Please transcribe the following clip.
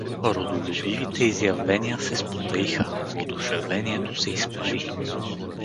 Родолюбивите изявления се спотаиха; въодушевлението се изпари.